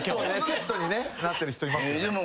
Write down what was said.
セットになってる人います。